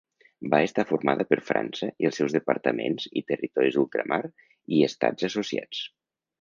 Va estar formada per França i els seus departaments i territoris d'ultramar i estats associats.